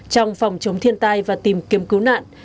trong phòng chống thiên tai và tìm kiếm cứu nạn